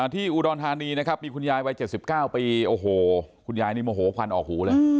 ที่อุดรธานีนะครับมีคุณยายวัย๗๙ปีโอ้โหคุณยายนี่โมโหควันออกหูเลย